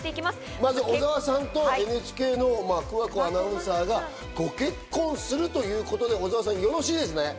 まず小澤さんとＮＨＫの桑子アナウンサーが、ご結婚されるということでよろしいですね？